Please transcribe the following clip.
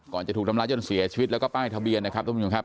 จะถูกทำร้ายจนเสียชีวิตแล้วก็ป้ายทะเบียนนะครับท่านผู้ชมครับ